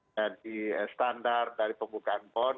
jadi standar dari pembukaan pon